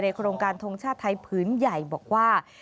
โครงการทงชาติไทยพื้นใหญ่บอกว่า